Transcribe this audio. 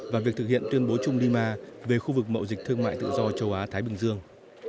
và việc thực hiện tuyên bố chung dima về khu vực mậu dịch thương mại tự do châu á thái bình dương